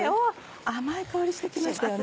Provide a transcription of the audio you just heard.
甘い香りして来ましたよね。